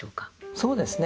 そうですね